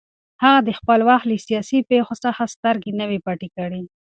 هغه د خپل وخت له سیاسي پېښو څخه سترګې نه وې پټې کړې